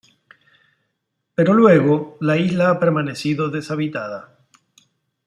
Pero luego, la isla ha permanecido deshabitada.